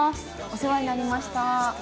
お世話になりました。